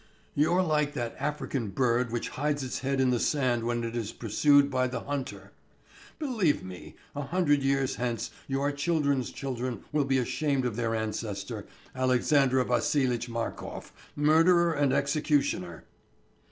"You're like that African bird which hides its head in the sand when it is pursued by the hunter. Believe me, a hundred years hence your children's children will be ashamed of their ancestor, Alexander Vassilitch Markof, murderer and executioner."